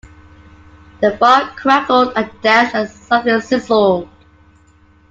The fire crackled and danced, and something sizzled.